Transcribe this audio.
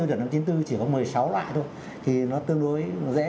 cái cột thôi